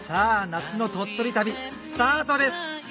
夏の鳥取旅スタートです！